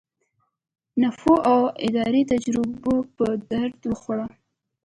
نفوذ او اداري تجربه په درد وخوړه.